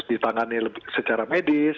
ditangani secara medis